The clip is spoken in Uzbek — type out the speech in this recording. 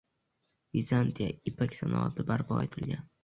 Vizantiya ipak sanoatini barpo etilgan.